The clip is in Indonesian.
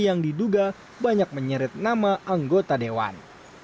yang diduga banyak menyeret nama anggota dewan